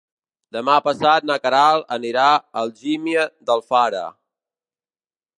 Demà passat na Queralt anirà a Algímia d'Alfara.